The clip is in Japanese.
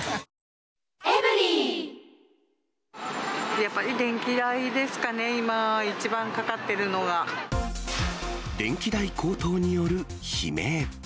やっぱり電気代ですかね、電気代高騰による悲鳴。